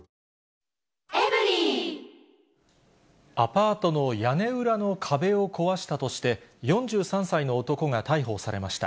アパートの屋根裏の壁を壊したとして、４３歳の男が逮捕されました。